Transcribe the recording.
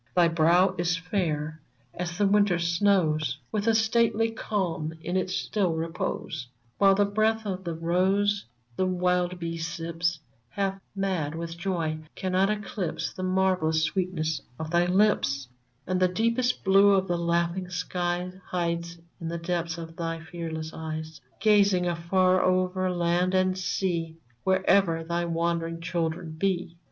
Thy brow is fair as the winter snows, With a stately calm in its still repose ; While the breath of the rose the wild bee sips, Half mad with joy, cannot eclipse The marvellous sweetness of thy lips ; And the deepest blue of the laughing skies Hides in the depths of thy fearless eyes, Gazing afar over land and sea Wherever thy wandering children be